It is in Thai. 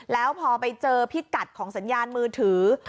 แล้วพอไปเจอพิกัดของสัญญาณมือถือ